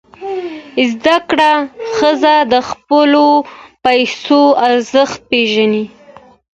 زده کړه ښځه د خپلو پیسو ارزښت پېژني.